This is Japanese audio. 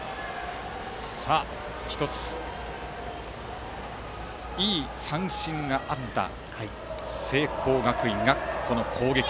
１ついい三振があった聖光学院が攻撃。